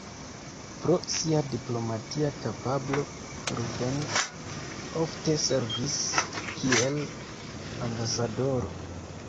Pro sia diplomatia kapablo, Rubens ofte servis kiel ambasadoro.